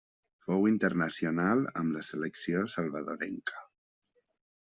Fou internacional amb la selecció salvadorenca.